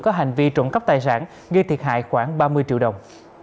có hành vi trộn cấp tài sản gây thiệt hại khoảng ba mươi triệu đồng